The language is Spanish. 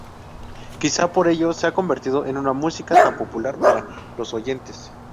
Quizás por ello se ha convertido en una música tan popular para los oyentes.